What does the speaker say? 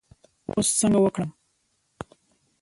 اوس څنګه وکړم.